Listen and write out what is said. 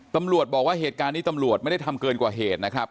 ตำรวจบอกว่าเหตุการณ์นี้ตำรวจไม่ได้ทำเกินกว่าเหตุนะครับ